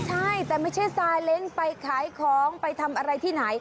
ใช่แต่ไม่ใช่ซาเล้งไปขายของไปทำอะไรที่ไหน